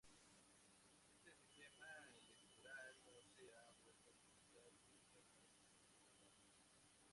Este sistema electoral no se ha vuelto a utilizar nunca en las elecciones navarras.